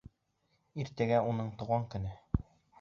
Иртәгә уның тыуған көнө.